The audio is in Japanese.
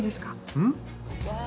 うん？